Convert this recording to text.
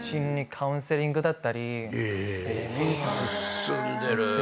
進んでる。